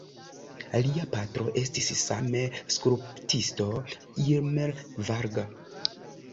Lia patro estis same skulptisto Imre Varga.